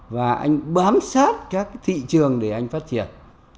và anh bám sát các thị trường để anh phát triển